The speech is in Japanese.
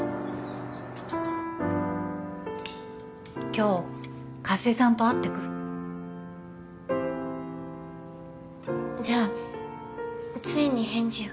今日加瀬さんと会ってくるじゃあついに返事を？